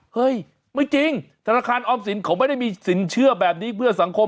เฮ้ยไม่จริงธนาคารออมสินเขาไม่ได้มีสินเชื่อแบบนี้เพื่อสังคม